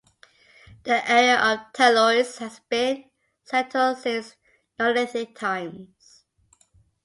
The area of Talloires has been settled since Neolithic times.